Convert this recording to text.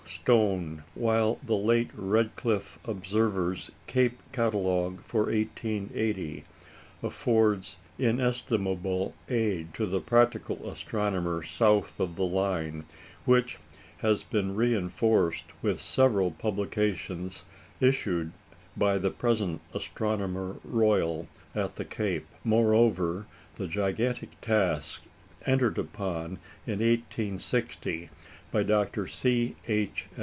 Stone; while the late Redcliffe observer's "Cape Catalogue for 1880" affords inestimable aid to the practical astronomer south of the line, which has been reinforced with several publications issued by the present Astronomer Royal at the Cape. Moreover, the gigantic task entered upon in 1860 by Dr. C. H.